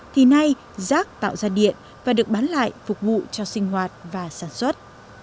thì nay rác tạo ra điện và được bán lại phục vụ cho sinh hoạt và sản xuất